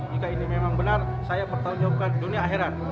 jika ini memang benar saya bertanggung jawabkan dunia akhirat